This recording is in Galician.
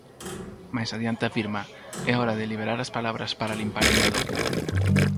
Máis adiante afirma: "É hora de liberar as palabras para limpar o medo".